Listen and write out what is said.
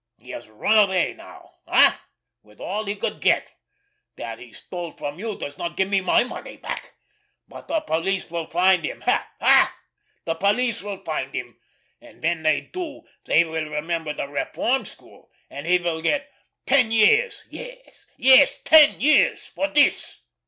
He has run away now—eh—with all he could get? That he stole from you does not give me back my money. But the police will find him! Ha, ha! The police will find him, and when they do they will remember the reform school and he will get ten years—yes, yes, ten years—for this!"